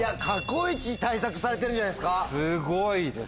すごいです。